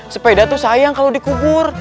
sepeda tuh sayang kalau dikubur